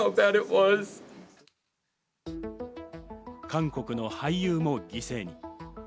韓国の俳優も犠牲に。